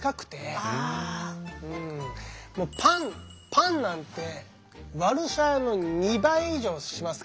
パンなんてワルシャワの２倍以上しますから。